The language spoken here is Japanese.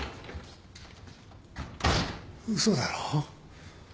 嘘だろ？